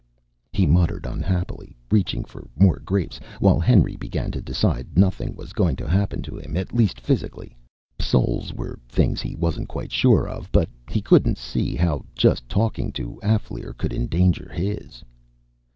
He muttered unhappily, reaching for more grapes, while Henry began to decide nothing was going to happen to him, at least physically. Souls were things he wasn't quite sure of, but he couldn't see how just talking to Alféar could endanger his.